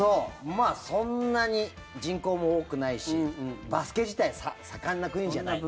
まあ、そんなに人口も多くないしバスケ自体、盛んな国じゃない。